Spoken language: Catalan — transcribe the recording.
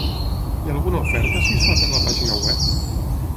Hi ha alguna oferta si es fa per la pàgina web?